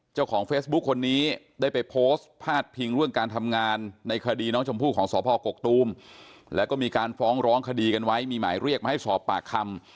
เจ้าของเฟซบุ๊คคนนี้ได้ไปโพสต์พาดพิงเรื่องการทำงานในคดีน้องชมพู่ของสพกกตูมแล้วก็มีการฟ้องร้องคดีกันไว้มีหมายเรียกมาให้สอบปากคำ